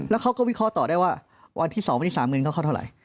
แล้วเขาก็วิเคราะห์ต่อได้ว่าวันที่๒วันที่๓เงินเขาเข้าเท่าไหร่